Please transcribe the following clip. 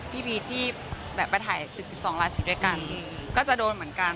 พี่พีชที่เป็นแบบไปถ่าย๑๒ลาซิกด้วยกันก็จะโดนเหมือนกัน